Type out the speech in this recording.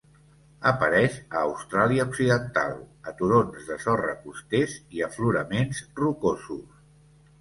Apareix a Austràlia Occidental, a turons de sorra costers i afloraments rocosos.